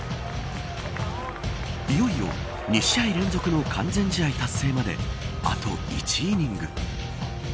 いよいよ２試合連続の完全試合達成まであと１イニング。